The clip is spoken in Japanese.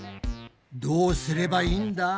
どうすればいいんだ？